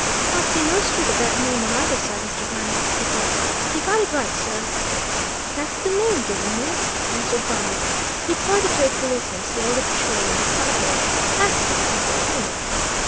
"Can't see no street of that name on either side, Mr. Viner," he said. "Have you got it right, sir?" "That's the name given me," answered Viner. He pointed to a policeman slowly patrolling the side walk. "Ask him," he said. "He'll know."